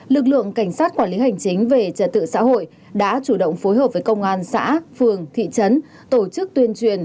lực lượng cảnh sát quản lý hành chính về trật tự xã hội đã chủ động phối hợp với công an xã phường thị trấn tổ chức tuyên truyền